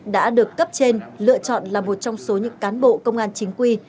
đã được cấp trên lựa chọn là một trong số những cán bộ công an chính quy